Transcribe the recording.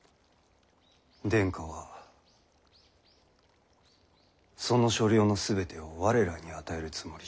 殿下はその所領の全てを我らに与えるつもりじゃ。